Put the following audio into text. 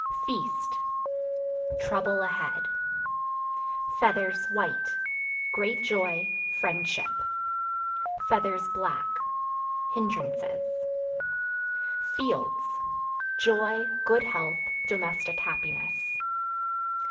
Feast Trouble ahead. Feathers (White) great joy, friendship; (black) hindrances. Fields Joy, good health, domestic happiness.